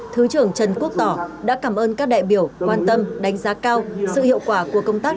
thứ trưởng trần quốc tỏ đã cảm ơn các đại biểu quan tâm đánh giá cao sự hiệu quả của công tác